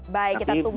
baik kita tunggu